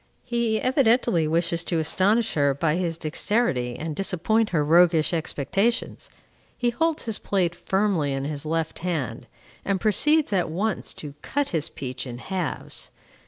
He evidently wishes to astonish her by his dexterity, and disappoint her roguish expectations. He holds his plate firmly in his left hand, and proceeds, at once, to cut his peach in halves.